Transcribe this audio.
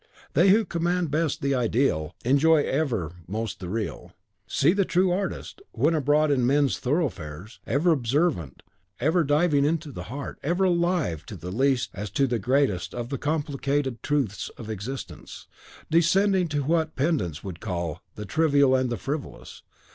They who command best the ideal, enjoy ever most the real. See the true artist, when abroad in men's thoroughfares, ever observant, ever diving into the heart, ever alive to the least as to the greatest of the complicated truths of existence; descending to what pedants would call the trivial and the frivolous.